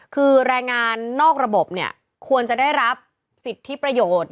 คือแรงงานนอกระบบเนี่ยควรจะได้รับสิทธิประโยชน์